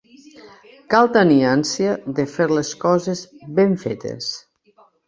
Cal tenir ànsia de fer les coses ben fetes.